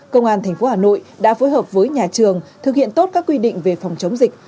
công an tp hà nội đã phối hợp với nhà trường thực hiện tốt các quy định về phòng chống dịch